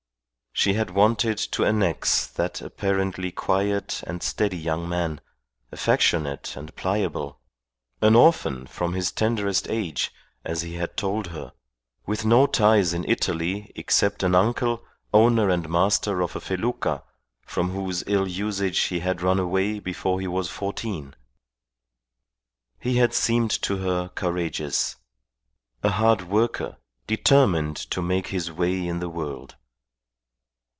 She had wanted to annex that apparently quiet and steady young man, affectionate and pliable, an orphan from his tenderest age, as he had told her, with no ties in Italy except an uncle, owner and master of a felucca, from whose ill usage he had run away before he was fourteen. He had seemed to her courageous, a hard worker, determined to make his way in the world.